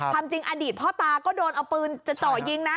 ความจริงอดีตพ่อตาก็โดนเอาปืนจะเจาะยิงนะ